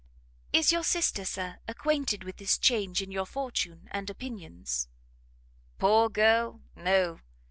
"Is your sister, Sir, acquainted with this change in your fortune and opinions?" "Poor girl, no!